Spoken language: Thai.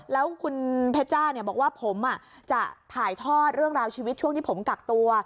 แล้วคุณเพชจ้าบอกว่าผมจะถ่ายทอดเรื่องราวชีวิตช่วงที่ผมกักตัว